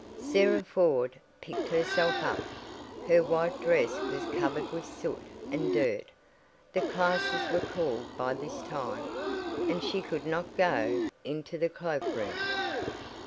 Sarah Ford picked herself up. Her white dress was covered with soot and dirt. The classes were called by this time, and she could not go into the cloak room.